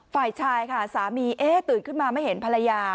ฝ่ายชายค่ะสามีตื่นขึ้นมาไม่เห็นภรรยา